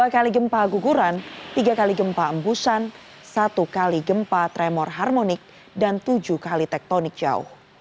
dua kali gempa guguran tiga kali gempa embusan satu kali gempa tremor harmonik dan tujuh kali tektonik jauh